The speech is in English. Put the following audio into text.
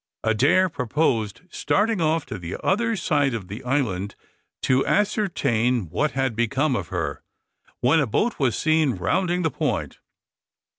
Adair proposed starting off to the other side of the island to ascertain what had become of her, when a boat was seen rounding the point.